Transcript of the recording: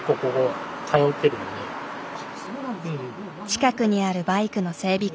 近くにあるバイクの整備